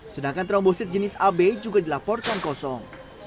sedangkan trombosit jenis ab juga dilaporkan kosong